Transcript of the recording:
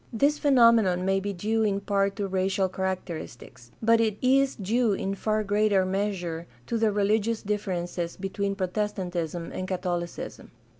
This phenomenon may be due in part to racial characteristics; but it is due in far greater measure to the religious differences between Protestantism and Catholicism.